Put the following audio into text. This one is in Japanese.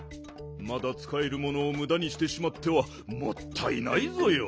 まだつかえるものをむだにしてしまってはもったいないぞよ。